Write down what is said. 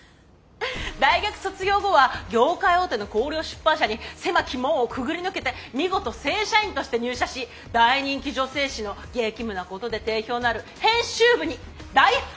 大学卒業後は業界大手の光陵出版社に狭き門をくぐり抜けて見事正社員として入社し大人気女性誌の激務なことで定評のある編集部に大配属されました。